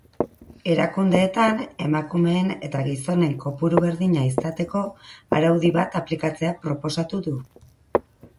Erakundeetan emakumeen eta gizonen kopuru berdina izateko araudi bat aplikatzea proposatu du.